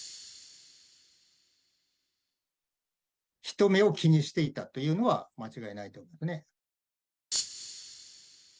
人目を気にしていたというのは間違いないと思いますね。